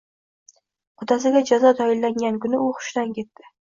Qudasiga jazo tayinlangan kuni u hushidan ketdi